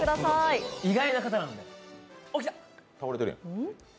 意外な方なんです。